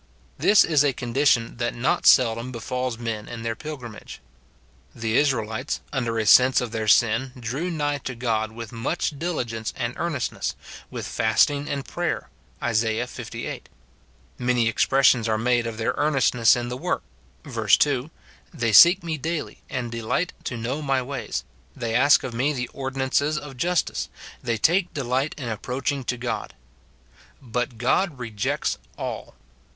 This is a condi SIN IN BELIEVERS. 215 tion that not seldom befalls men in their pilgrimage. The Israelites, under a sense of their sin, drew nigh to God with much diligence and earnestness, with fasting and prayer, Isa. Iviii. : many expressions are made of their earnestness in the work, verse 2, " They seek me daily, and delight to know my ways ; they ask of me the ordinances of justice ; they take delight in approaching to God." But God rejects all.